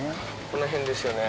この辺ですよね。